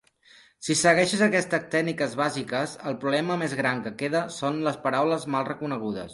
Si segueixes aquestes tècniques bàsiques, el problema més gran que queda són les paraules mal reconegudes.